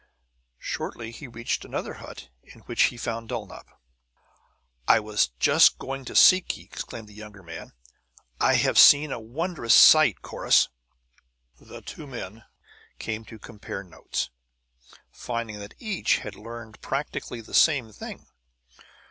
Shortly he reached another hut in which he found Dulnop. "I was just going to seek ye!" exclaimed the younger man. "I have seen a wondrous sight, Corrus!" Thus the two men came to compare notes, finding that each had learned practically the same thing.